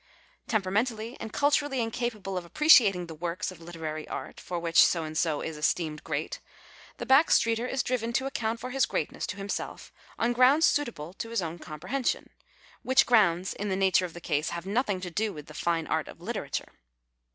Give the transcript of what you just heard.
Temperamentally and eul turally incapable of appreciating the works of literary art, for which so and so is esteemed great, the back streeter is driven to account for his great ness to himself on grounds suitable to his owti com prehension, which grounds in the nature of the case have nothing to do with the fine art of literature.